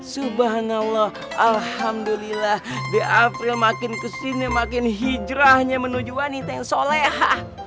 subhanallah alhamdulillah di april makin kesini makin hijrahnya menuju wanita yang soleha